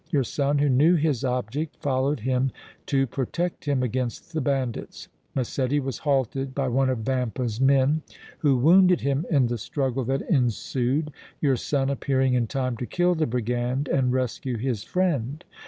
Your son, who knew his object, followed him to protect him against the bandits. Massetti was halted by one of Vampa's men, who wounded him in the struggle that ensued, your son appearing in time to kill the brigand and rescue his friend.